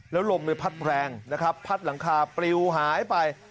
แล้วลมพัดแรงนะครับพัดหลังคาปลิวหายไป